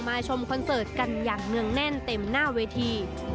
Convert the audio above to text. ชมคอนเสิร์ตกันอย่างเนื่องแน่นเต็มหน้าเวที